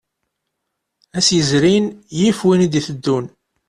Ass yezrin yif win i d-iteddun.